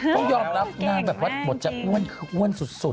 ต้องยอมรับนางแบบว่าบทจะอ้วนคืออ้วนสุด